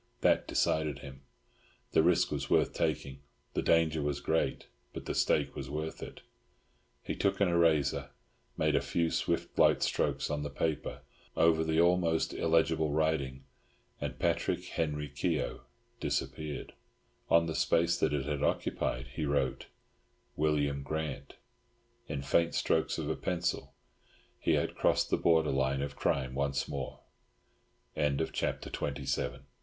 That decided him. The risk was worth taking. The danger was great, but the stake was worth it. He took an eraser, made a few swift light strokes on the paper over the almost illegible writing, and "Patrick Henry Keogh" disappeared; on the space that it had occupied he wrote "William Grant," in faint strokes of a pencil. He had crossed the border line of crime once more. CHAPTER XXVIII. A LEGAL BATTLE.